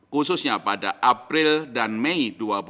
khususnya pada april dan mei dua ribu dua puluh